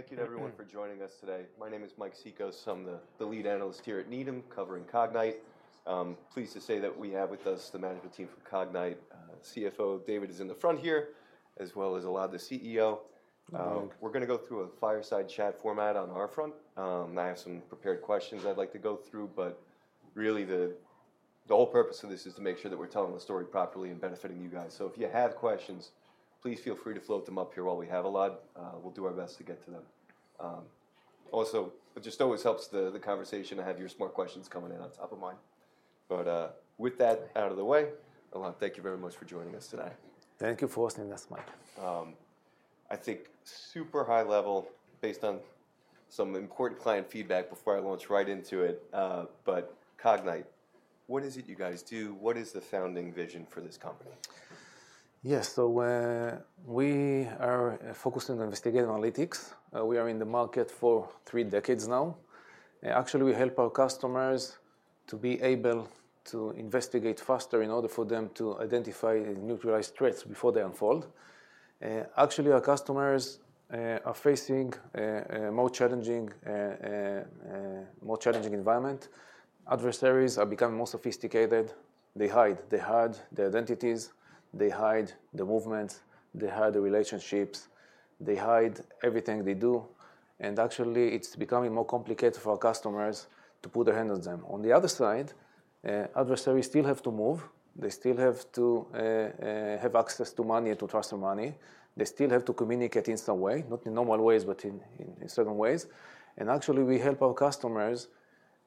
Thank you, everyone, for joining us today. My name is Mike Cikos. I'm the lead analyst here at Needham, covering Cognyte. Pleased to say that we have with us the management team from Cognyte. CFO David is in the front here, as well as Elad, the CEO. We're going to go through a fireside chat format on our front. I have some prepared questions I'd like to go through, but really the whole purpose of this is to make sure that we're telling the story properly and benefiting you guys. So if you have questions, please feel free to float them up here while we have Elad. We'll do our best to get to them. Also, it just always helps the conversation to have your smart questions coming in on top of mine. But with that out of the way, Elad, thank you very much for joining us today. Thank you for hosting us, Mike. I think super high level, based on some important client feedback before I launch right into it, but Cognyte, what is it you guys do? What is the founding vision for this company? Yes, so we are focused on investigative analytics. We are in the market for three decades now. Actually, we help our customers to be able to investigate faster in order for them to identify and neutralize threats before they unfold. Actually, our customers are facing a more challenging environment. Adversaries are becoming more sophisticated. They hide their identities. They hide the movements. They hide the relationships. They hide everything they do, and actually, it's becoming more complicated for our customers to put their hands on them. On the other side, adversaries still have to move. They still have to have access to money and to trust their money. They still have to communicate in some way, not in normal ways, but in certain ways. Actually, we help our customers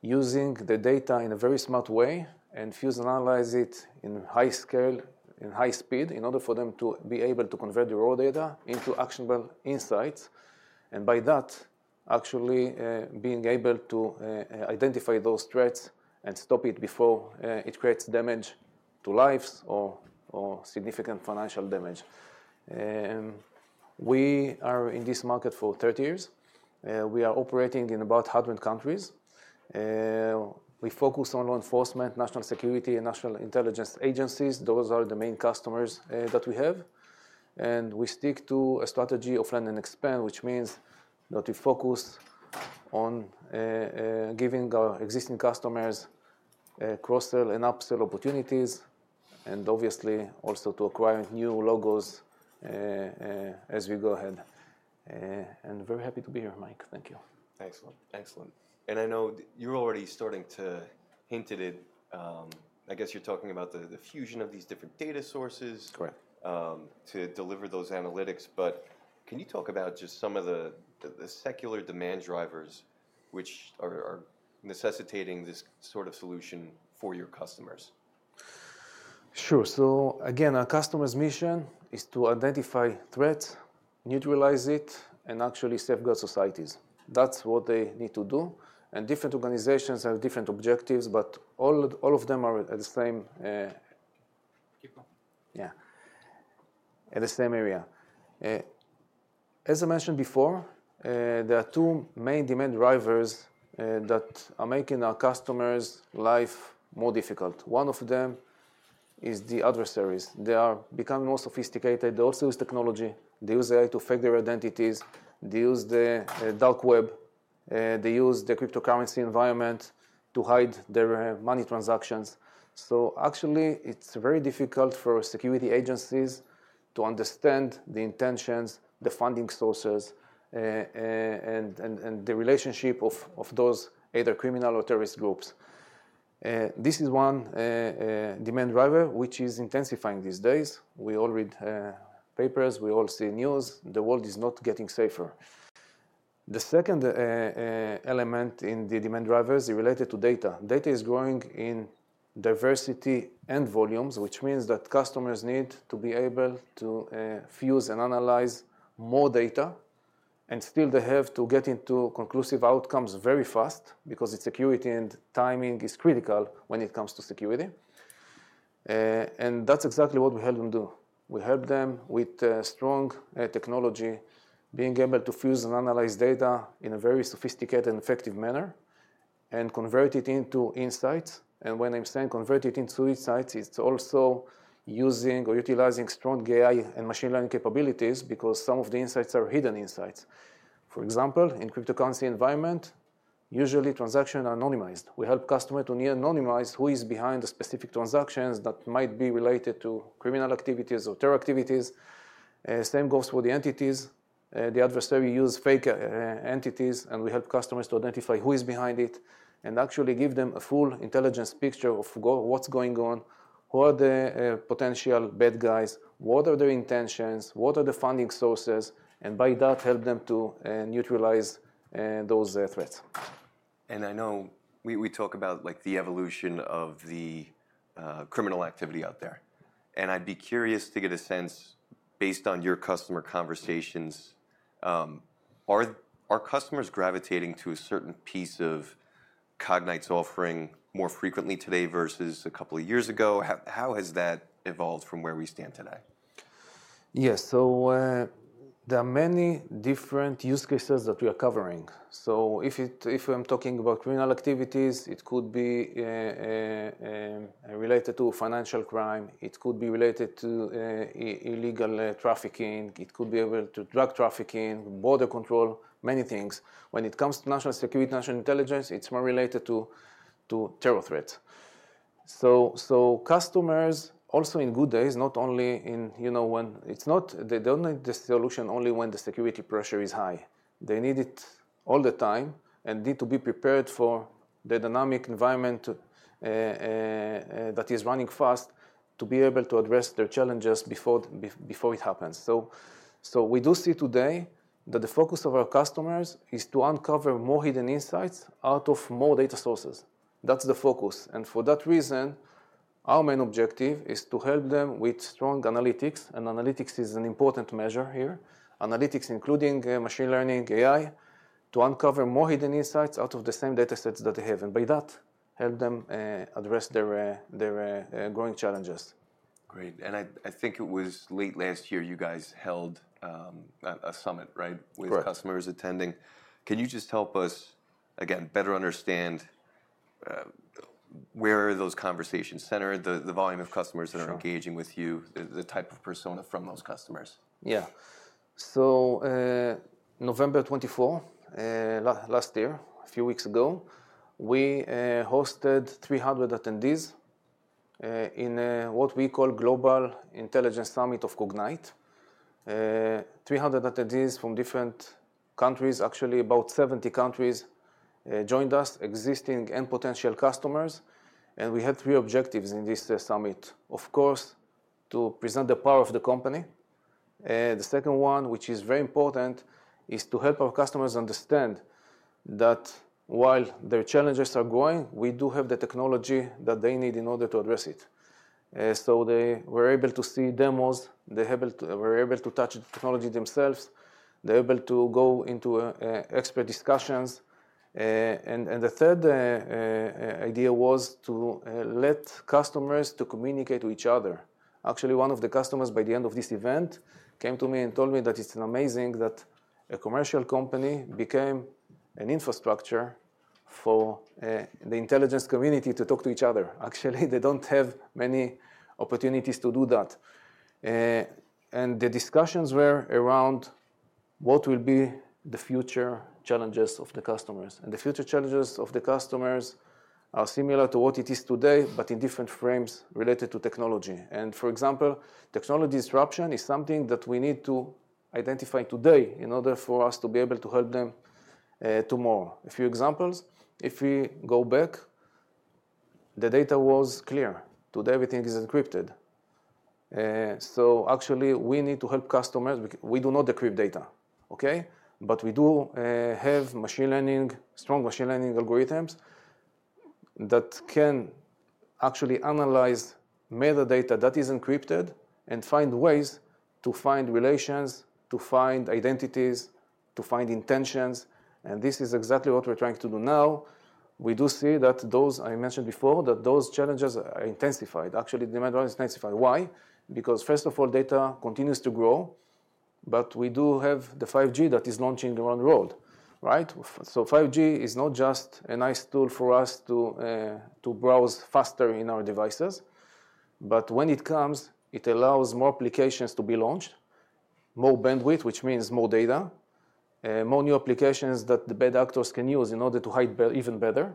using the data in a very smart way and fuse and analyze it at high scale, at high speed, in order for them to be able to convert the raw data into actionable insights. By that, actually being able to identify those threats and stop it before it creates damage to lives or significant financial damage. We are in this market for 30 years. We are operating in about 100 countries. We focus on law enforcement, national security, and national intelligence agencies. Those are the main customers that we have. We stick to a strategy of land and expand, which means that we focus on giving our existing customers cross-sell and upsell opportunities, and obviously also to acquire new logos as we go ahead. Very happy to be here, Mike. Thank you. Excellent. Excellent. And I know you're already starting to hint at it. I guess you're talking about the fusion of these different data sources to deliver those analytics. But can you talk about just some of the secular demand drivers which are necessitating this sort of solution for your customers? Sure. So again, our customer's mission is to identify threats, neutralize it, and actually safeguard societies. That's what they need to do. And different organizations have different objectives, but all of them are at the same. Keep going. Yeah, at the same area. As I mentioned before, there are two main demand drivers that are making our customers' life more difficult. One of them is the adversaries. They are becoming more sophisticated. They also use technology. They use AI to fake their identities. They use the dark web. They use the cryptocurrency environment to hide their money transactions. So actually, it's very difficult for security agencies to understand the intentions, the funding sources, and the relationship of those either criminal or terrorist groups. This is one demand driver which is intensifying these days. We all read papers. We all see news. The world is not getting safer. The second element in the demand drivers is related to data. Data is growing in diversity and volumes, which means that customers need to be able to fuse and analyze more data. Still, they have to get into conclusive outcomes very fast because security and timing is critical when it comes to security. That's exactly what we help them do. We help them with strong technology, being able to fuse and analyze data in a very sophisticated and effective manner and convert it into insights. When I'm saying convert it into insights, it's also using or utilizing strong AI and machine learning capabilities because some of the insights are hidden insights. For example, in the cryptocurrency environment, usually transactions are anonymized. We help customers to de-anonymize who is behind the specific transactions that might be related to criminal activities or terror activities. Same goes for the entities. The adversary uses fake entities, and we help customers to identify who is behind it and actually give them a full intelligence picture of what's going on, who are the potential bad guys, what are their intentions, what are the funding sources, and by that, help them to neutralize those threats. I know we talk about the evolution of the criminal activity out there. I'd be curious to get a sense, based on your customer conversations, are customers gravitating to a certain piece of Cognyte's offering more frequently today versus a couple of years ago? How has that evolved from where we stand today? Yes, so there are many different use cases that we are covering, so if I'm talking about criminal activities, it could be related to financial crime. It could be related to illegal trafficking. It could be related to drug trafficking, border control, many things. When it comes to national security, national intelligence, it's more related to terror threats, so customers, also in good days, not only in when it's not they don't need the solution only when the security pressure is high. They need it all the time and need to be prepared for the dynamic environment that is running fast to be able to address their challenges before it happens, so we do see today that the focus of our customers is to uncover more hidden insights out of more data sources. That's the focus, and for that reason, our main objective is to help them with strong analytics. Analytics is an important measure here. Analytics, including machine learning, AI, to uncover more hidden insights out of the same data sets that they have and by that, help them address their growing challenges. Great. And I think it was late last year you guys held a summit, right, with customers attending. Can you just help us, again, better understand where are those conversations centered, the volume of customers that are engaging with you, the type of persona from those customers? Yeah, so November 2024, last year, a few weeks ago, we hosted 300 attendees in what we call Global Intelligence Summit of Cognyte, 300 attendees from different countries, actually about 70 countries joined us, existing and potential customers, and we had three objectives in this summit. Of course, to present the power of the company. The second one, which is very important, is to help our customers understand that while their challenges are growing, we do have the technology that they need in order to address it, so they were able to see demos. They were able to touch the technology themselves. They were able to go into expert discussions, and the third idea was to let customers communicate with each other. Actually, one of the customers by the end of this event came to me and told me that it's amazing that a commercial company became an infrastructure for the intelligence community to talk to each other. Actually, they don't have many opportunities to do that. And the discussions were around what will be the future challenges of the customers. And the future challenges of the customers are similar to what it is today, but in different frames related to technology. And for example, technology disruption is something that we need to identify today in order for us to be able to help them tomorrow. A few examples. If we go back, the data was clear. Today, everything is encrypted. So actually, we need to help customers. We do not decrypt data, OK? But we do have machine learning, strong machine learning algorithms that can actually analyze metadata that is encrypted and find ways to find relations, to find identities, to find intentions. And this is exactly what we're trying to do now. We do see that those, I mentioned before, that those challenges are intensified. Actually, demand drivers are intensified. Why? Because first of all, data continues to grow. But we do have the 5G that is launching around the world, right? So 5G is not just a nice tool for us to browse faster in our devices. But when it comes, it allows more applications to be launched, more bandwidth, which means more data, more new applications that the bad actors can use in order to hide even better.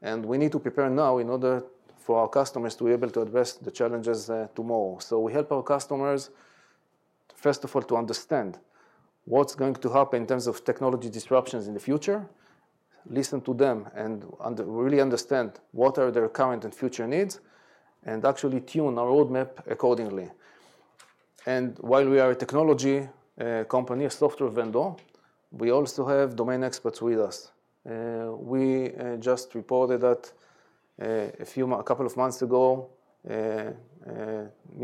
And we need to prepare now in order for our customers to be able to address the challenges tomorrow. We help our customers, first of all, to understand what's going to happen in terms of technology disruptions in the future, listen to them, and really understand what are their current and future needs, and actually tune our roadmap accordingly. While we are a technology company, a software vendor, we also have domain experts with us. We just reported that a couple of months ago,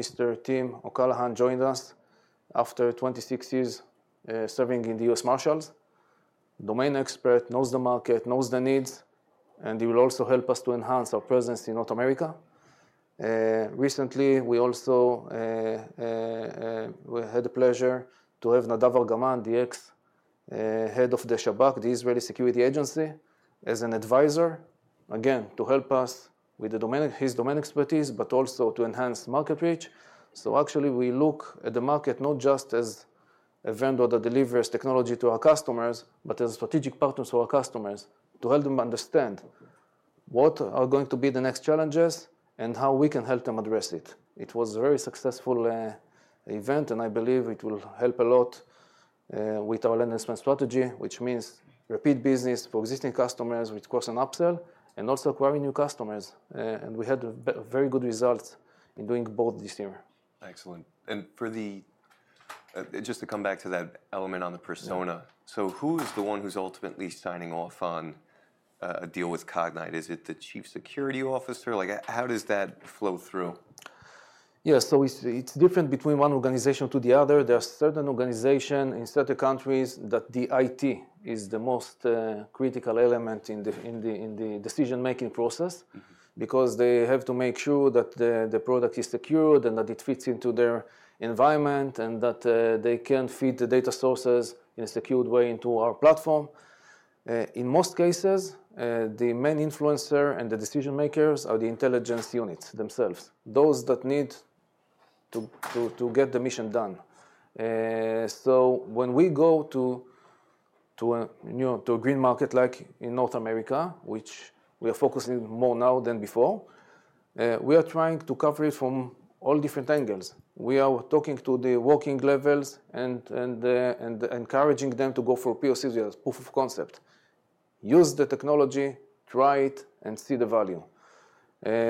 Mr. Tim O'Callaghan joined us after 26 years serving in the U.S. Marshals. Domain expert knows the market, knows the needs, and he will also help us to enhance our presence in North America. Recently, we also had the pleasure to have Nadav Argaman, the ex-head of the Shabak, the Israeli security agency, as an advisor, again, to help us with his domain expertise, but also to enhance market reach. Actually, we look at the market not just as a vendor that delivers technology to our customers, but as strategic partners for our customers to help them understand what are going to be the next challenges and how we can help them address it. It was a very successful event, and I believe it will help a lot with our land and expand strategy, which means repeat business for existing customers with cross-sell and upsell, and also acquiring new customers. We had very good results in doing both this year. Excellent. And just to come back to that element on the persona, so who is the one who's ultimately signing off on a deal with Cognyte? Is it the Chief Security Officer? How does that flow through? Yes, so it's different between one organization to the other. There are certain organizations in certain countries that the IT is the most critical element in the decision-making process because they have to make sure that the product is secured and that it fits into their environment and that they can feed the data sources in a secured way into our platform. In most cases, the main influencer and the decision-makers are the intelligence units themselves, those that need to get the mission done, so when we go to a green market like in North America, which we are focusing more now than before, we are trying to cover it from all different angles. We are talking to the working levels and encouraging them to go for POCs. We have a proof of concept. Use the technology, try it, and see the value.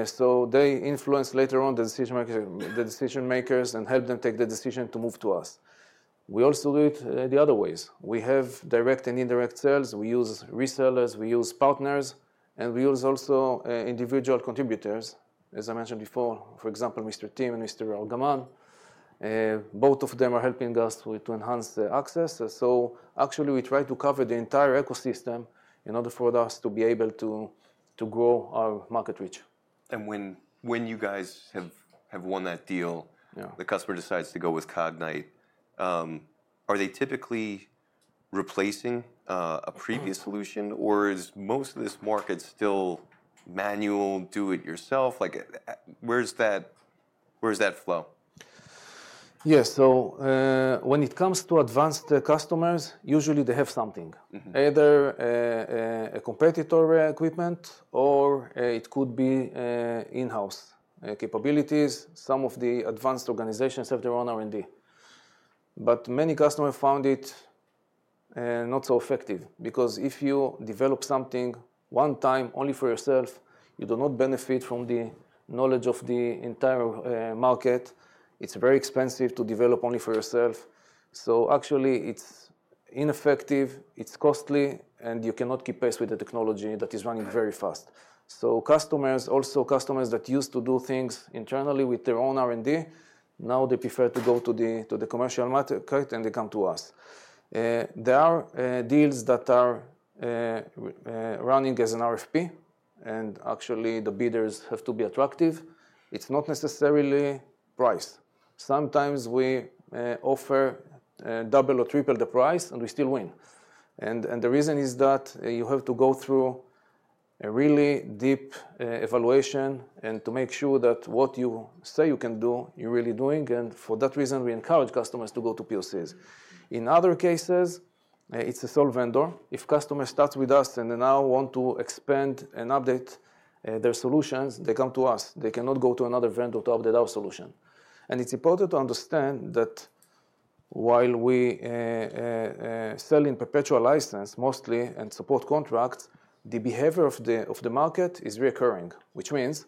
So they influence later on the decision-makers and help them take the decision to move to us. We also do it the other ways. We have direct and indirect sales. We use resellers. We use partners. And we use also individual contributors, as I mentioned before, for example, Mr. Tim and Mr. Argaman. Both of them are helping us to enhance the access. So actually, we try to cover the entire ecosystem in order for us to be able to grow our market reach. When you guys have won that deal, the customer decides to go with Cognyte, are they typically replacing a previous solution, or is most of this market still manual, do-it-yourself? Where is that flow? Yes. So when it comes to advanced customers, usually they have something, either a competitor equipment or it could be in-house capabilities. Some of the advanced organizations have their own R&D. But many customers found it not so effective because if you develop something one time only for yourself, you do not benefit from the knowledge of the entire market. It's very expensive to develop only for yourself. So actually, it's ineffective. It's costly. And you cannot keep pace with the technology that is running very fast. So customers, also customers that used to do things internally with their own R&D, now they prefer to go to the commercial market and they come to us. There are deals that are running as an RFP. And actually, the bids have to be attractive. It's not necessarily price. Sometimes we offer double or triple the price, and we still win. And the reason is that you have to go through a really deep evaluation and to make sure that what you say you can do, you're really doing. And for that reason, we encourage customers to go to POCs. In other cases, it's a sole vendor. If a customer starts with us and they now want to expand and update their solutions, they come to us. They cannot go to another vendor to update our solution. And it's important to understand that while we sell in perpetual license mostly and support contracts, the behavior of the market is recurring, which means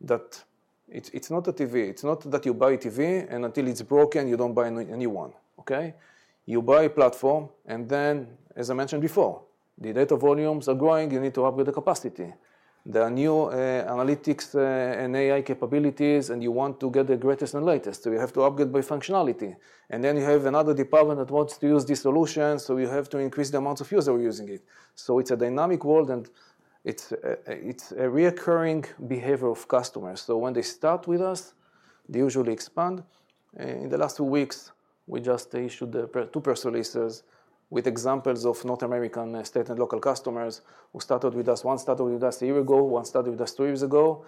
that it's not a TV. It's not that you buy a TV, and until it's broken, you don't buy a new one, OK? You buy a platform. And then, as I mentioned before, the data volumes are growing. You need to upgrade the capacity. There are new analytics and AI capabilities, and you want to get the greatest and latest, so you have to upgrade by functionality, and then you have another department that wants to use the solutions, so you have to increase the amount of users using it, so it's a dynamic world, and it's a recurring behavior of customers, so when they start with us, they usually expand. In the last two weeks, we just issued two press releases with examples of North American state and local customers who started with us. One started with us a year ago. One started with us two years ago,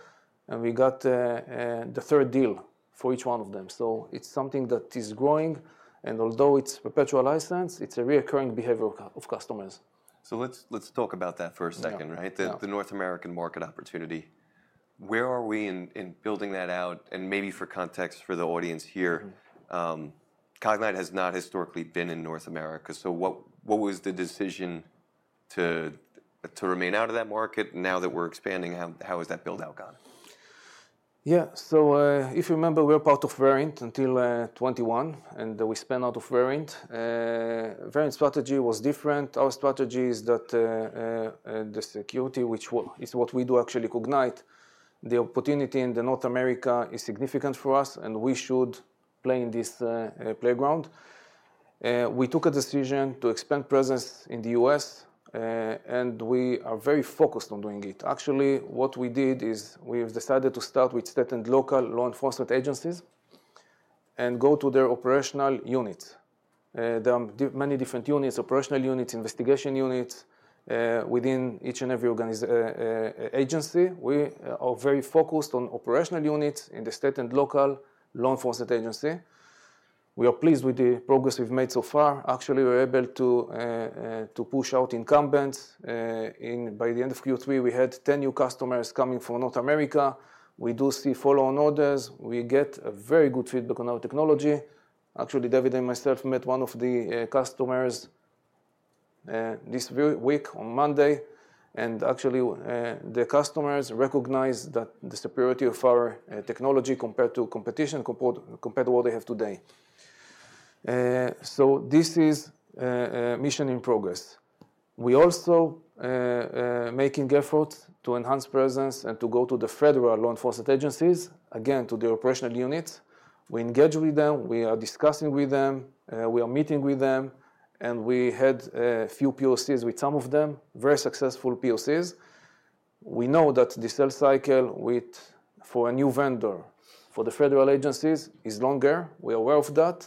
and we got the third deal for each one of them, so it's something that is growing, and although it's perpetual license, it's a recurring behavior of customers. So let's talk about that for a second, right, the North American market opportunity. Where are we in building that out? And maybe for context for the audience here, Cognyte has not historically been in North America. So what was the decision to remain out of that market? And now that we're expanding, how has that build-out gone? Yeah. So if you remember, we were part of Verint until 2021. And we spun out of Verint. Verint's strategy was different. Our strategy is that the security, which is what we do actually at Cognyte, the opportunity in North America is significant for us, and we should play in this playground. We took a decision to expand presence in the US. And we are very focused on doing it. Actually, what we did is we decided to start with state and local law enforcement agencies and go to their operational units. There are many different units, operational units, investigation units within each and every agency. We are very focused on operational units in the state and local law enforcement agency. We are pleased with the progress we've made so far. Actually, we're able to push out incumbents. By the end of Q3, we had 10 new customers coming from North America. We do see follow-on orders. We get very good feedback on our technology. Actually, David and myself met one of the customers this week on Monday, and actually, the customers recognized the superiority of our technology compared to competition, compared to what they have today, so this is a mission in progress. We are also making efforts to enhance presence and to go to the federal law enforcement agencies, again, to their operational units. We engage with them. We are discussing with them. We are meeting with them, and we had a few POCs with some of them, very successful POCs. We know that the sales cycle for a new vendor for the federal agencies is longer. We are aware of that.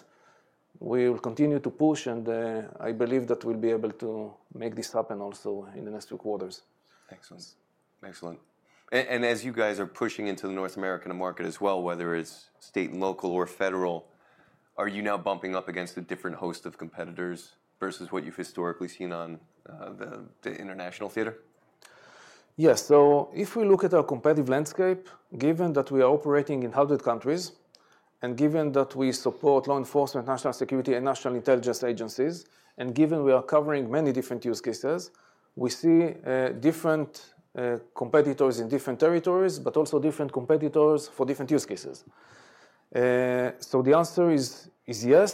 We will continue to push. I believe that we'll be able to make this happen also in the next few quarters. Excellent. Excellent. And as you guys are pushing into the North American market as well, whether it's state and local or federal, are you now bumping up against a different host of competitors versus what you've historically seen on the international theater? Yes, so if we look at our competitive landscape, given that we are operating in 100 countries and given that we support law enforcement, national security, and national intelligence agencies, and given we are covering many different use cases, we see different competitors in different territories, but also different competitors for different use cases. So the answer is yes,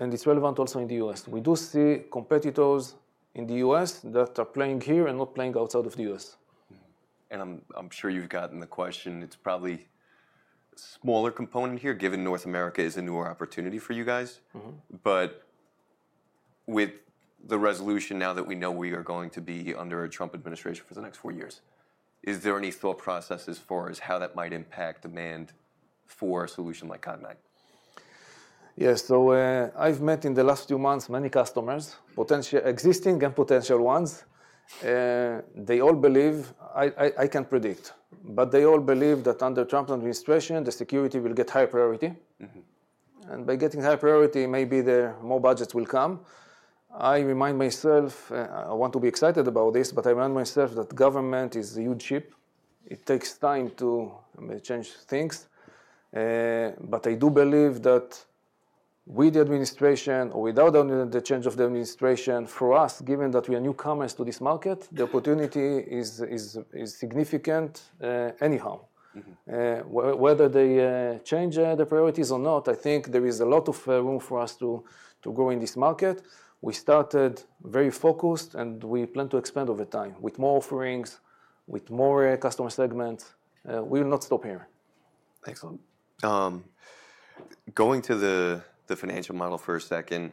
and it's relevant also in the U.S. We do see competitors in the U.S. that are playing here and not playing outside of the U.S. I'm sure you've gotten the question. It's probably a smaller component here, given North America is a newer opportunity for you guys. But with the resolution now that we know we are going to be under a Trump administration for the next four years, is there any thought processes for how that might impact demand for a solution like Cognyte? Yes. So I've met in the last few months many customers, existing and potential ones. They all believe I can't predict. But they all believe that under Trump administration, the security will get higher priority. And by getting higher priority, maybe more budgets will come. I remind myself I want to be excited about this. But I remind myself that government is a huge ship. It takes time to change things. But I do believe that with the administration or without the change of the administration, for us, given that we are newcomers to this market, the opportunity is significant anyhow. Whether they change the priorities or not, I think there is a lot of room for us to grow in this market. We started very focused, and we plan to expand over time with more offerings, with more customer segments. We will not stop here. Excellent. Going to the financial model for a second.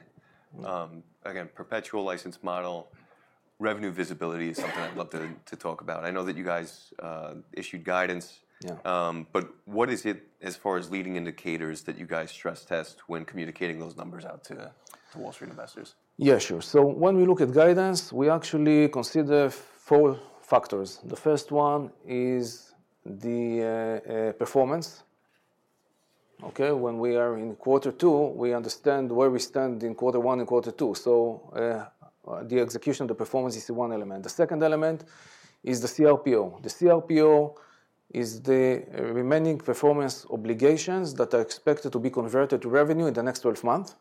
Again, perpetual license model, revenue visibility is something I'd love to talk about. I know that you guys issued guidance. But what is it, as far as leading indicators, that you guys stress test when communicating those numbers out to Wall Street investors? Yeah, sure. So when we look at guidance, we actually consider four factors. The first one is the performance. When we are in quarter two, we understand where we stand in quarter one and quarter two. So the execution of the performance is one element. The second element is the CRPO. The CRPO is the remaining performance obligations that are expected to be converted to revenue in the next 12 months,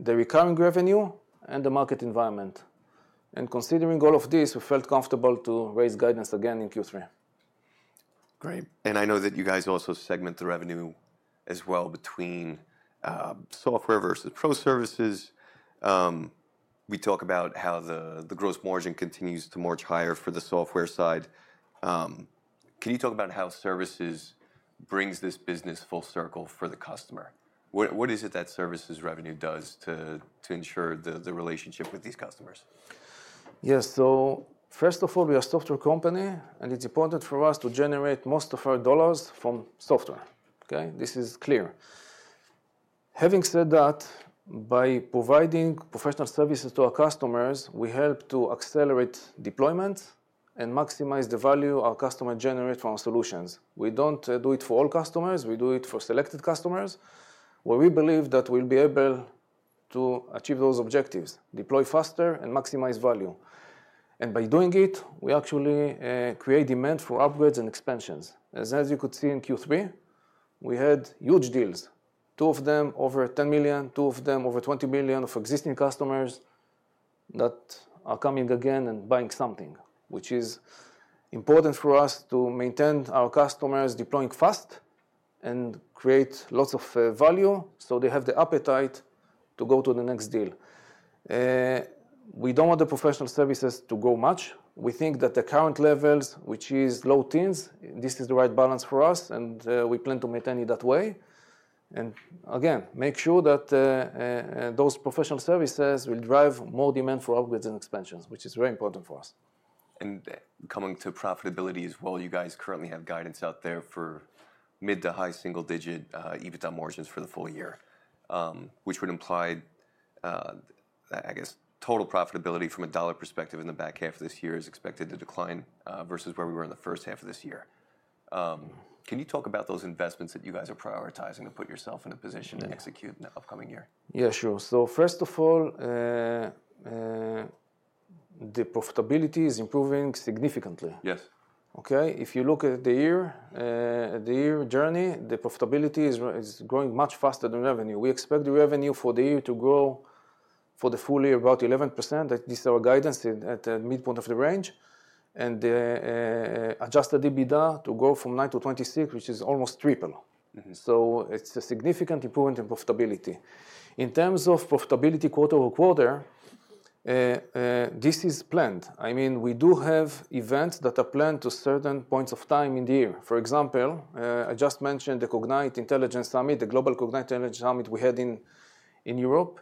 the recurring revenue, and the market environment, and considering all of this, we felt comfortable to raise guidance again in Q3. Great, and I know that you guys also segment the revenue as well between software versus pro services. We talk about how the gross margin continues to march higher for the software side. Can you talk about how services brings this business full circle for the customer? What is it that services revenue does to ensure the relationship with these customers? Yes. So first of all, we are a software company. And it's important for us to generate most of our dollars from software. This is clear. Having said that, by providing professional services to our customers, we help to accelerate deployment and maximize the value our customers generate from our solutions. We don't do it for all customers. We do it for selected customers where we believe that we'll be able to achieve those objectives, deploy faster, and maximize value. And by doing it, we actually create demand for upgrades and expansions. As you could see in Q3, we had huge deals, two of them over $10 million, two of them over $20 million of existing customers that are coming again and buying something, which is important for us to maintain our customers deploying fast and create lots of value so they have the appetite to go to the next deal. We don't want the professional services to grow much. We think that the current levels, which is low teens. This is the right balance for us, and we plan to maintain it that way, and again, make sure that those professional services will drive more demand for upgrades and expansions, which is very important for us. Coming to profitability as well, you guys currently have guidance out there for mid- to high single-digit EBITDA margins for the full year, which would imply, I guess, total profitability from a dollar perspective in the back half of this year is expected to decline versus where we were in the first half of this year. Can you talk about those investments that you guys are prioritizing to put yourself in a position to execute in the upcoming year? Yeah, sure. So first of all, the profitability is improving significantly. Yes. If you look at the year journey, the profitability is growing much faster than revenue. We expect the revenue for the year to grow for the full year about 11%. This is our guidance at the midpoint of the range, and adjusted EBITDA to grow from nine to 26, which is almost triple, so it's a significant improvement in profitability. In terms of profitability quarter over quarter, this is planned. I mean, we do have events that are planned to certain points of time in the year. For example, I just mentioned the Cognyte Intelligence Summit, the global Cognyte Intelligence Summit we had in Europe.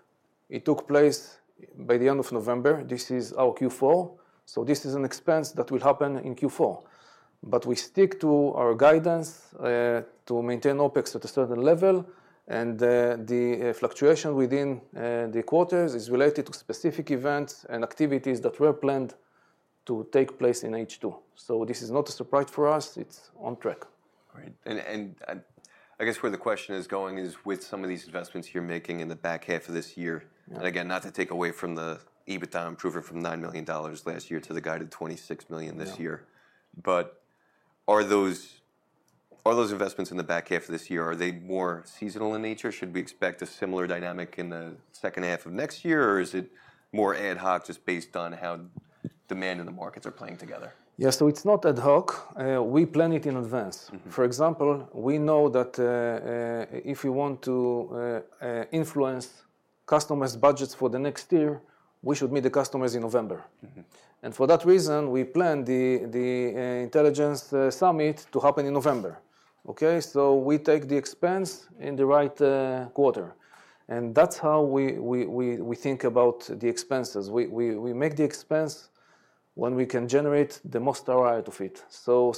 It took place by the end of November. This is our Q4, so this is an expense that will happen in Q4. But we stick to our guidance to maintain OPEX at a certain level. The fluctuation within the quarters is related to specific events and activities that were planned to take place in H2. This is not a surprise for us. It's on track. Great. And I guess where the question is going is with some of these investments you're making in the back half of this year. And again, not to take away from the EBITDA improvement from $9 million last year to the guided $26 million this year. But are those investments in the back half of this year, are they more seasonal in nature? Should we expect a similar dynamic in the second half of next year? Or is it more ad hoc, just based on how demand in the markets are playing together? Yeah. So it's not ad hoc. We plan it in advance. For example, we know that if we want to influence customers' budgets for the next year, we should meet the customers in November. And for that reason, we planned the intelligence summit to happen in November. So we take the expense in the right quarter. And that's how we think about the expenses. We make the expense when we can generate the most ROI out of it. So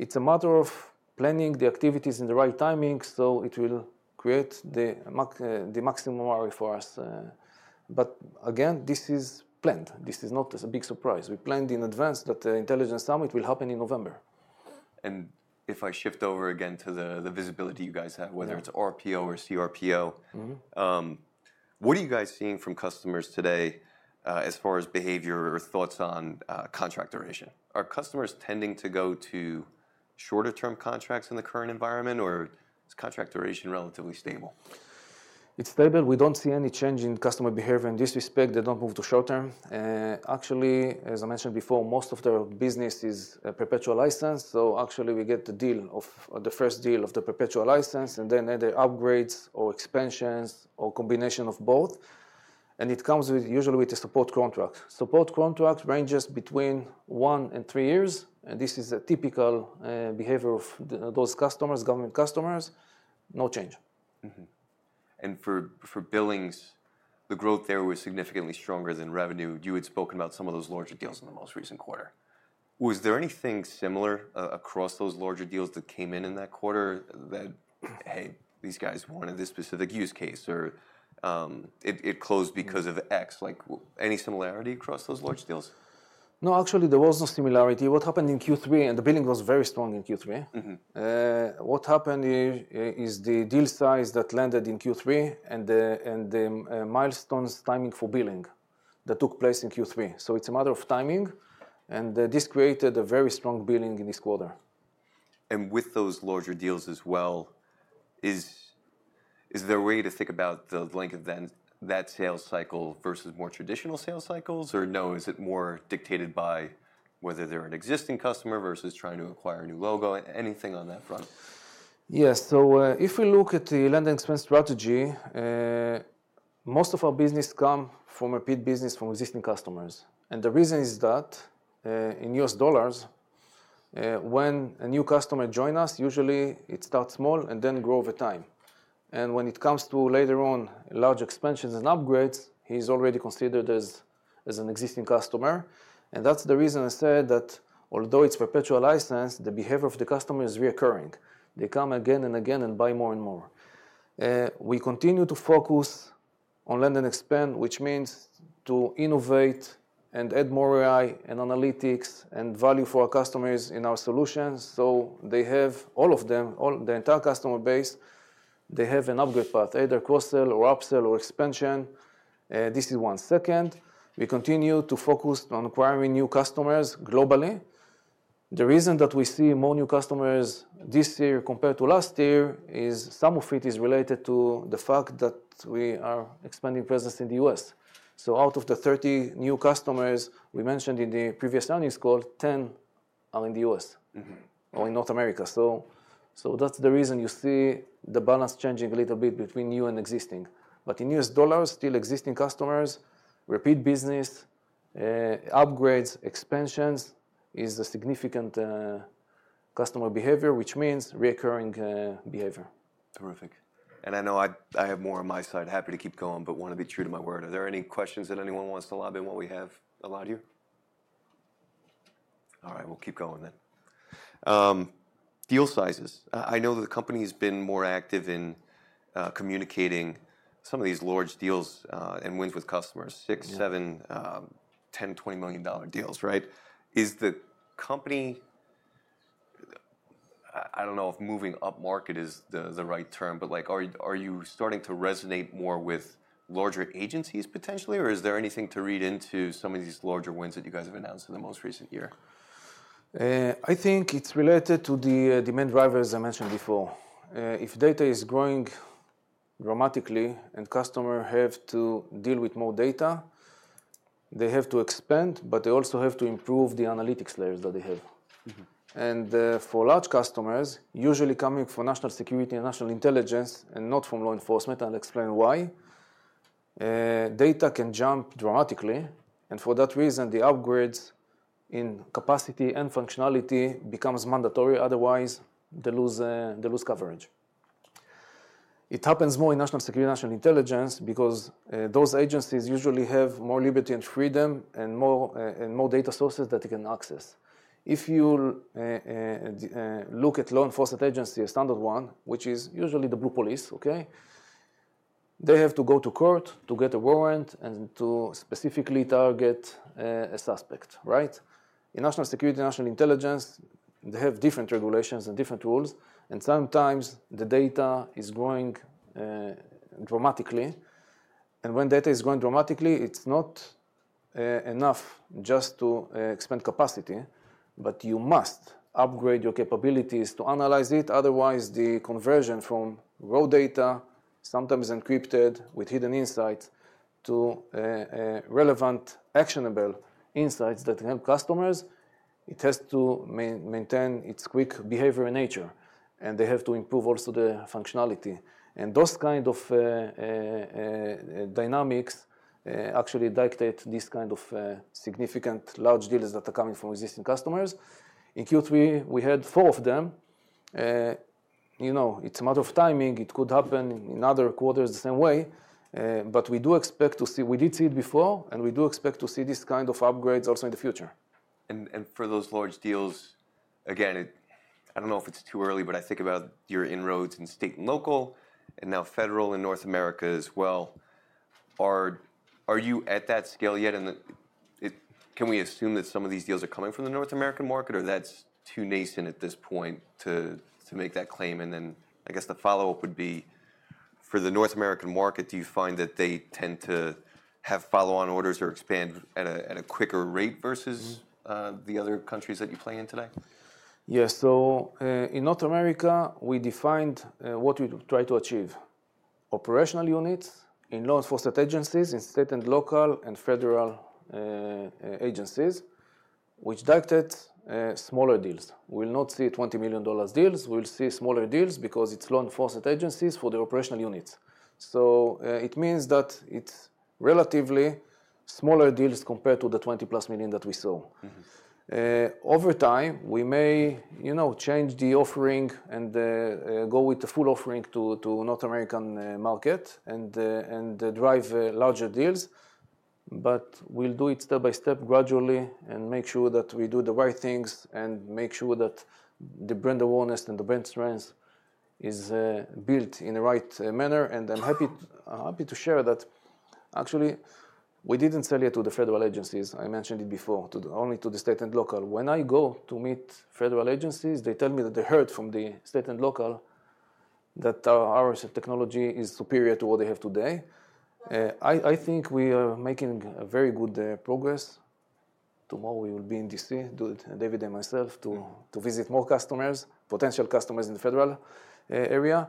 it's a matter of planning the activities in the right timing so it will create the maximum ROI for us. But again, this is planned. This is not a big surprise. We planned in advance that the intelligence summit will happen in November. If I shift over again to the visibility you guys have, whether it's RPO or CRPO, what are you guys seeing from customers today as far as behavior or thoughts on contract duration? Are customers tending to go to shorter-term contracts in the current environment? Or is contract duration relatively stable? It's stable. We don't see any change in customer behavior. In this respect, they don't move to short term. Actually, as I mentioned before, most of their business is perpetual license. So actually, we get the deal of the first deal of the perpetual license. And then either upgrades or expansions or combination of both. And it comes usually with a support contract. Support contract ranges between one and three years. And this is a typical behavior of those customers, government customers, no change. For billings, the growth there was significantly stronger than revenue. You had spoken about some of those larger deals in the most recent quarter. Was there anything similar across those larger deals that came in in that quarter that, hey, these guys wanted this specific use case? Or it closed because of X? Any similarity across those large deals? No, actually, there was no similarity. What happened in Q3, and the billing was very strong in Q3, what happened is the deal size that landed in Q3 and the milestones timing for billing that took place in Q3. So it's a matter of timing. And this created a very strong billing in this quarter. With those larger deals as well, is there a way to think about the length of that sales cycle versus more traditional sales cycles? Or no, is it more dictated by whether they're an existing customer versus trying to acquire a new logo? Anything on that front? Yes. So if we look at the land and expand strategy, most of our business comes from repeat business from existing customers. And the reason is that in US dollars, when a new customer joins us, usually it starts small and then grows over time. And when it comes to later on large expansions and upgrades, it's already considered as an existing customer. And that's the reason I said that although it's perpetual license, the behavior of the customer is recurring. They come again and again and buy more and more. We continue to focus on land and expand, which means to innovate and add more ROI and analytics and value for our customers in our solutions. So they have all of them, the entire customer base, they have an upgrade path, either cross-sell or upsell or expansion. This is one. Second, we continue to focus on acquiring new customers globally. The reason that we see more new customers this year compared to last year is some of it is related to the fact that we are expanding presence in the U.S. So out of the 30 new customers we mentioned in the previous earnings call, 10 are in the U.S. or in North America. So that's the reason you see the balance changing a little bit between new and existing. But in U.S. dollars, still existing customers, repeat business, upgrades, expansions is a significant customer behavior, which means recurring behavior. Terrific. And I know I have more on my side. Happy to keep going, but want to be true to my word. Are there any questions that anyone wants to lob in while we have a lot here? All right. We'll keep going then. Deal sizes. I know that the company has been more active in communicating some of these large deals and wins with customers, six, seven, 10, $20 million deals. Is the company, I don't know if moving up market is the right term, but are you starting to resonate more with larger agencies potentially? Or is there anything to read into some of these larger wins that you guys have announced in the most recent year? I think it's related to the demand drivers I mentioned before. If data is growing dramatically and customers have to deal with more data, they have to expand. But they also have to improve the analytics layers that they have. And for large customers, usually coming from national security and national intelligence and not from law enforcement, I'll explain why, data can jump dramatically. And for that reason, the upgrades in capacity and functionality become mandatory. Otherwise, they lose coverage. It happens more in national security, national intelligence, because those agencies usually have more liberty and freedom and more data sources that they can access. If you look at law enforcement agency, a standard one, which is usually the blue police, they have to go to court to get a warrant and to specifically target a suspect. In national security, national intelligence, they have different regulations and different rules. Sometimes the data is growing dramatically. When data is growing dramatically, it's not enough just to expand capacity. You must upgrade your capabilities to analyze it. Otherwise, the conversion from raw data, sometimes encrypted with hidden insights, to relevant actionable insights that help customers, it has to maintain its quick behavior in nature. They have to improve also the functionality. Those kinds of dynamics actually dictate these kinds of significant large deals that are coming from existing customers. In Q3, we had four of them. It's a matter of timing. It could happen in other quarters the same way. We do expect to see. We did see it before. We do expect to see these kinds of upgrades also in the future. For those large deals, again, I don't know if it's too early, but I think about your inroads in state and local and now federal in North America as well. Are you at that scale yet? And can we assume that some of these deals are coming from the North American market? Or that's too nascent at this point to make that claim? And then I guess the follow-up would be, for the North American market, do you find that they tend to have follow-on orders or expand at a quicker rate versus the other countries that you play in today? Yes, so in North America, we defined what we try to achieve. Operational units in law enforcement agencies in state, local, and federal agencies dictate smaller deals. We will not see $20 million deals. We will see smaller deals because it's law enforcement agencies for their operational units. So it means that it's relatively smaller deals compared to the 20+ million that we saw. Over time, we may change the offering and go with the full offering to the North American market and drive larger deals. But we'll do it step by step, gradually, and make sure that we do the right things and make sure that the brand awareness and the brand strength is built in the right manner, and I'm happy to share that actually we didn't sell yet to the federal agencies. I mentioned it before, only to the state and local. When I go to meet federal agencies, they tell me that they heard from the state and local that our technology is superior to what they have today. I think we are making very good progress. Tomorrow we will be in DC, David and myself, to visit more customers, potential customers in the federal area.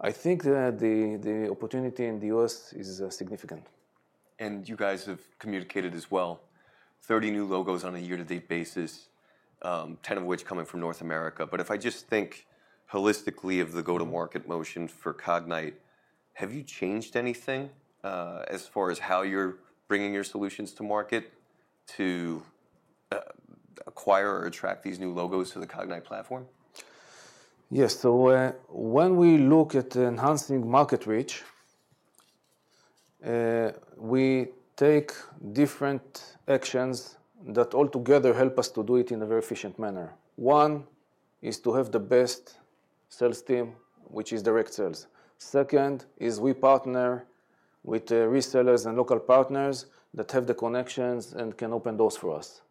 I think that the opportunity in the U.S. is significant. And you guys have communicated as well, 30 new logos on a year-to-date basis, 10 of which coming from North America. But if I just think holistically of the go-to-market motion for Cognyte, have you changed anything as far as how you're bringing your solutions to market to acquire or attract these new logos to the Cognyte platform? Yes. So when we look at enhancing market reach, we take different actions that altogether help us to do it in a very efficient manner. One is to have the best sales team, which is direct sales. Second is we partner with resellers and local partners that have the connections and can open doors for us.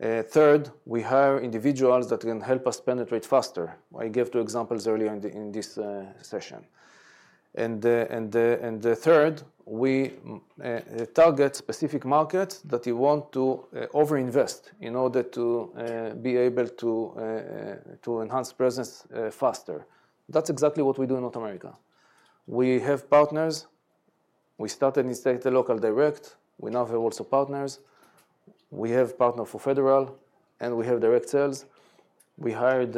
Third, we hire individuals that can help us penetrate faster. I gave two examples earlier in this session. And third, we target specific markets that you want to over-invest in order to be able to enhance presence faster. That's exactly what we do in North America. We have partners. We started in state and local direct. We now have also partners. We have partners for federal. And we have direct sales. We hired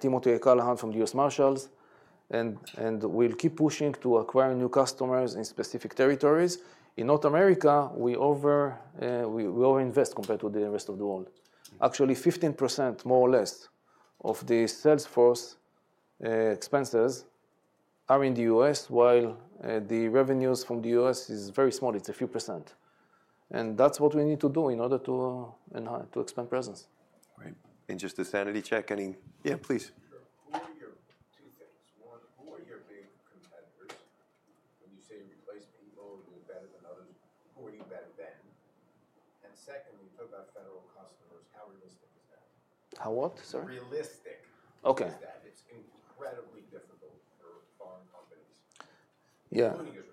Tim O'Callaghan from the U.S. Marshals. And we'll keep pushing to acquire new customers in specific territories. In North America, we over-invest compared to the rest of the world. Actually, 15% more or less of the sales force expenses are in the U.S., while the revenues from the U.S. is very small. It's a few percent. And that's what we need to do in order to expand presence. Right. And just to sanity check, any? Yeah, please. Who are your two things? One, who are your big competitors? When you say you replace people, you're better than others. Who are you better than? And secondly, you talk about federal customers. How realistic is that? How what, sir? Realistic. OK. It's incredibly difficult for foreign companies.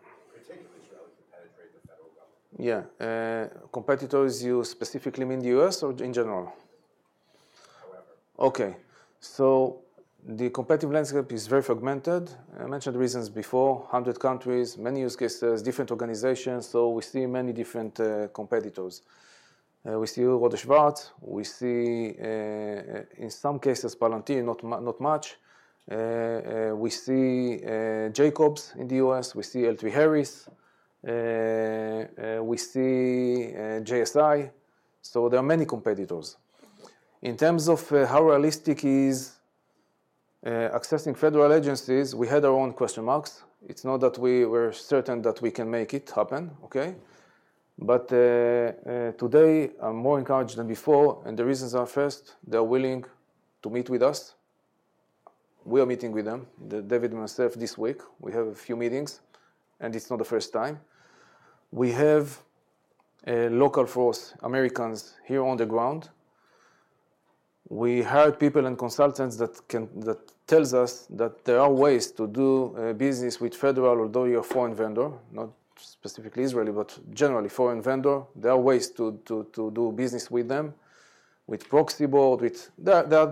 Yeah. Particularly to penetrate the federal government. Yeah. Competitors, you specifically mean the U.S. or in general? However. OK. So the competitive landscape is very fragmented. I mentioned the reasons before, 100 countries, many use cases, different organizations. So we see many different competitors. We see Rohde & Schwarz. We see, in some cases, Palantir, not much. We see Jacobs in the U.S. We see L3Harris. We see JSI. So there are many competitors. In terms of how realistic is accessing federal agencies, we had our own question marks. It's not that we were certain that we can make it happen. But today, I'm more encouraged than before. And the reasons are, first, they're willing to meet with us. We are meeting with them, David and myself, this week. We have a few meetings. And it's not the first time. We have local force, Americans, here on the ground. We hired people and consultants that tell us that there are ways to do business with federal, although you're a foreign vendor, not specifically Israeli, but generally foreign vendor. There are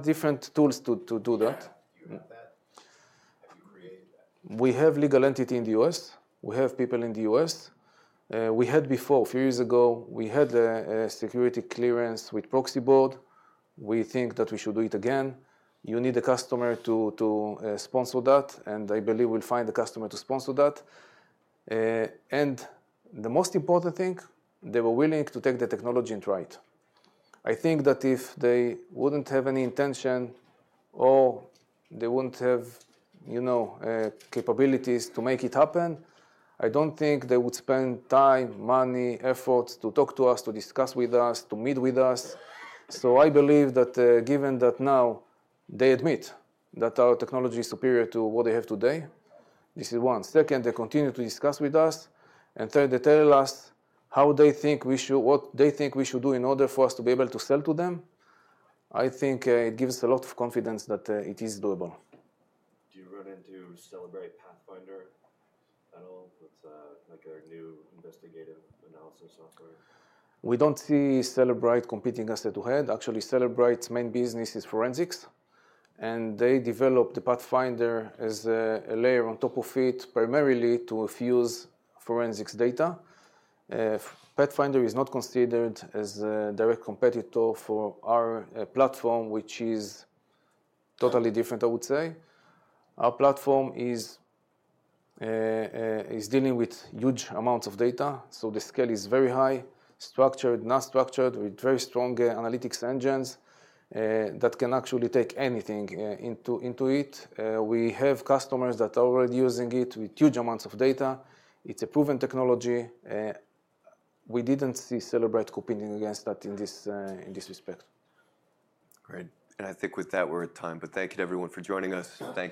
different tools to do that with Proxy Board. Do you have that? Have you created that? We have legal entities in the U.S. We have people in the U.S. We had before, a few years ago, we had a security clearance with Proxy Board. We think that we should do it again. You need a customer to sponsor that. And I believe we'll find a customer to sponsor that. And the most important thing, they were willing to take the technology and try it. I think that if they wouldn't have any intention or they wouldn't have capabilities to make it happen, I don't think they would spend time, money, effort to talk to us, to discuss with us, to meet with us. So I believe that given that now they admit that our technology is superior to what they have today, this is one. Second, they continue to discuss with us. Third, they tell us how they think we should, what they think we should do in order for us to be able to sell to them. I think it gives a lot of confidence that it is doable. Do you run into Cellebrite, Pathfinder at all, like our new investigative analysis software? We don't see Cellebrite competing us head-to-head. Actually, Cellebrite's main business is forensics. And they developed the Pathfinder as a layer on top of it, primarily to fuse forensics data. Pathfinder is not considered as a direct competitor for our platform, which is totally different, I would say. Our platform is dealing with huge amounts of data. So the scale is very high, structured, non-structured, with very strong analytics engines that can actually take anything into it. We have customers that are already using it with huge amounts of data. It's a proven technology. We didn't see Cellebrite competing against that in this respect. Great. And I think with that, we're at time. But thank you to everyone for joining us. Thank you.